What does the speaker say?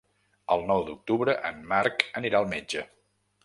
El nou d'octubre en Marc anirà al metge.